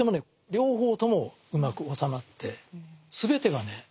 両方ともうまく収まって全てがね